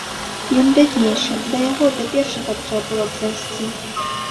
Ён бяднейшы, да яго да першага трэ было б зайсці.